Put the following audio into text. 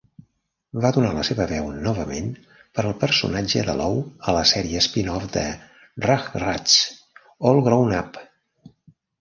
Va donar la seva veu novament per al personatge de Lou a la sèrie spin-off de "Rugrats" "All Grown Up!